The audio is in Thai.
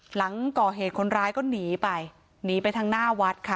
หลังก่อเหตุคนร้ายก็หนีไปหนีไปทางหน้าวัดค่ะ